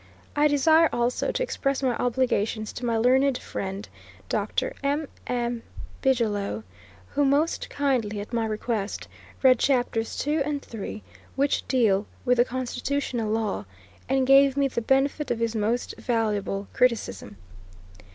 I desire also to express my obligations to my learned friend, Dr. M.M. Bigelow, who, most kindly, at my request, read chapters two and three, which deal with the constitutional law, and gave me the benefit of his most valuable criticism.